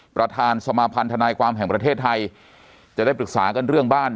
ประธานสมาพันธนายความแห่งประเทศไทยจะได้ปรึกษากันเรื่องบ้าน